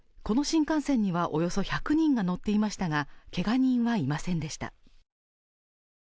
この新幹線にはおよそ１００人が乗っていましたが、けが人はいませんでした。